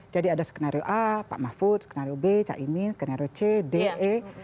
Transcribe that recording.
jadi ada skenario a pak mahfud skenario b chaimin skenario c d e